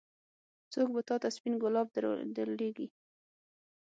څوک به تا ته سپين ګلاب درلېږي.